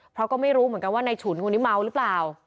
เพราะก็ไม่รู้เหมือนกันว่าในฉุนคนนี้เมาหรือเปล่า